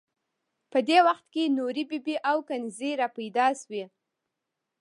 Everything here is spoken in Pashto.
په دې وخت کې نورې بي بي او کنیزې را پیدا شوې.